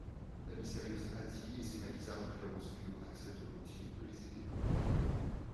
La mystérieuse Hati et ses maquisards du Clair-obscur accepteront-ils de les aider?